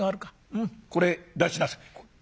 うんこれへ出しなさい」。